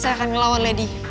saya akan melawan lady